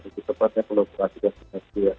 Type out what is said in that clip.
seperti kalau berhasil dan semestinya